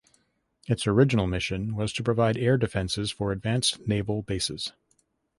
Its original mission was to provide air defense for advanced naval bases.